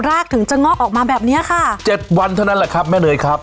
รากถึงจะงอกออกมาแบบเนี้ยค่ะเจ็ดวันเท่านั้นแหละครับแม่เนยครับ